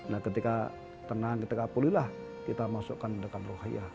nah ketika tenang ketika pulihlah kita masukkan ke dekat rohiyah